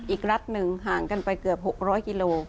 อีกรัฐหนึ่งห่างกันไปเกือบ๖๐๐กิโล